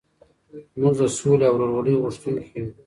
موږ د سولې او ورورولۍ غوښتونکي یو.